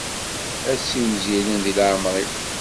Ad ssiwzilen di leɛmer-iw.